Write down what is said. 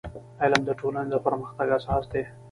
• علم د ټولنې د پرمختګ اساس دی.